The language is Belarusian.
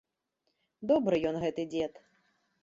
Добры ён, гэты дзед.